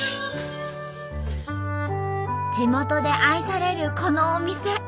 地元で愛されるこのお店。